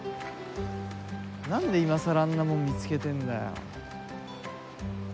何で今更あんなもん見つけてえんだよ。